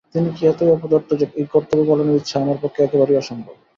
আমি কি এতই অপদার্থ যে, এই কর্তব্য-পালনের ইচ্ছা আমার পক্ষে একেবারেই অসম্ভব।